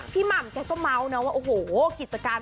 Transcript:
พี่ม่ำเธอก็เมานะว่าขิตจากรกันของพี่มีโอกาสแย่ปะ